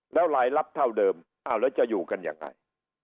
แล้วรายลับเท่าเดิมอ้าวแล้วจะอยู่กันยังไง